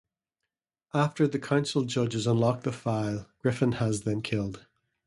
After the Council Judges unlock the file, Griffin has them killed.